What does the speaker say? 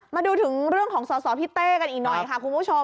มาดูถึงเรื่องของสอสอพี่เต้กันอีกหน่อยค่ะคุณผู้ชม